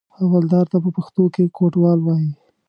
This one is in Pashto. حوالهدار ته په پښتو کې کوټوال وایي.